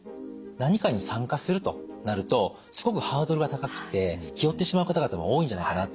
何かに参加するとなるとすごくハードルが高くて気負ってしまう方々も多いんじゃないかなというふうに思います。